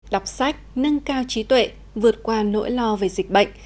đọc sách nâng cao trí tuệ vượt qua nỗi lo về dịch bệnh